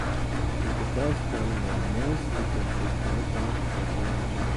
It is the best-selling or most frequently broadcast popular music.